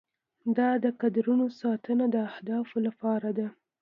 دا د کادرونو ساتنه د اهدافو لپاره ده.